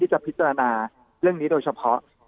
จะพิจารณาเรื่องนี้โดยเฉพาะ